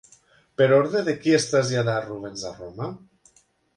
Per ordre de qui es traslladà Rubens a Roma?